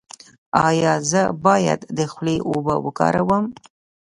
ایا زه باید د خولې اوبه وکاروم؟